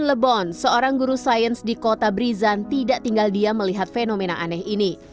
di lebon seorang guru sains di kota brisan tidak tinggal diam melihat fenomena aneh ini